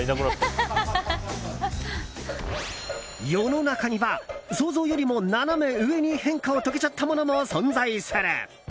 世の中には想像よりもナナメ上に変化を遂げちゃったものも存在する！